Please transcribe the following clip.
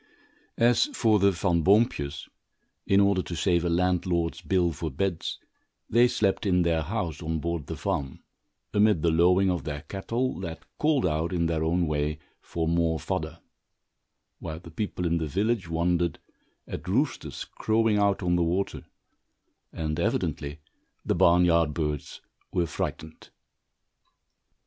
As for the Van Boompjes, in order to save a landlord's bill for beds, they slept in their house, on board the farm, amid the lowing of their cattle that called out, in their own way, for more fodder; while the people in the village wondered at roosters crowing out on the water, and evidently the barn yard birds were frightened.